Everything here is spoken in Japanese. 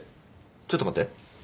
ちょっと待って。